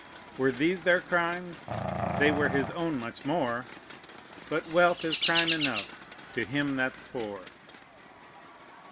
Were these their crimes? They were his own much more: But wealth is crime enough to him that's poor."